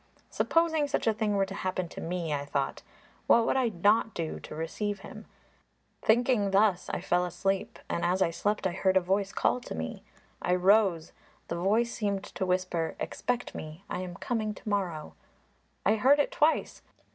'Supposing such a thing were to happen to me,' I thought, 'what would I not do to receive Him? And the Pharisee did nothing!' Thinking thus I fell asleep, and as I slept I heard a voice call to me. I rose; the voice seemed to whisper 'Expect me; I am coming to morrow.' I heard it twice.